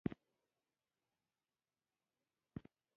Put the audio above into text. ده د افغانستان ټول ديپلوماتيک ماموريتونه له افغان ضد روحيې ډک کړل.